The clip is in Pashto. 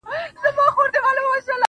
هله سي ختم، په اشاره انتظار_